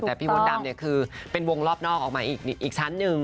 แต่พี่มดดำเนี่ยคือเป็นวงรอบนอกออกมาอีกชั้นหนึ่ง